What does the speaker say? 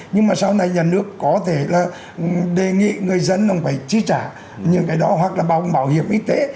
nhưng mà sau này nhà nước có thể là đề nghị người dân phải trí trả những cái đó hoặc là bảo hiểm y tế